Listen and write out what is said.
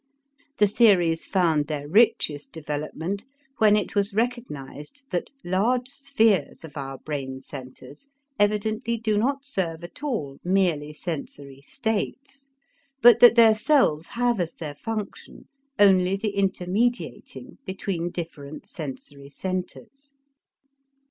The theories found their richest development, when it was recognized that large spheres of our brain centers evidently do not serve at all merely sensory states, but that their cells have as their function only the intermediating between different sensory centers.